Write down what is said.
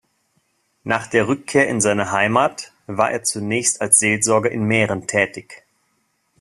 Nach der Rückkehr in seine Heimat war er zunächst als Seelsorger in Mähren tätig.